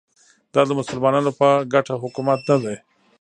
دا د مسلمانانو په ګټه حکومت نه دی